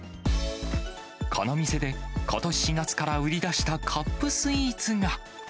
この店で、ことし４月から売り出したカップスイーツが。